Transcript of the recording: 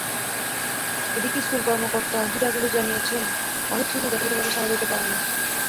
এদিকে, স্কুলের কর্মকর্তা হিরাগুরি জানিয়েছেন, অনেক শিশুই যথাযথভাবে সাড়া দিতে পারে না।